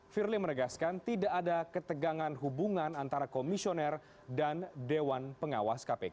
firly menegaskan tidak ada ketegangan hubungan antara komisioner dan dewan pengawas kpk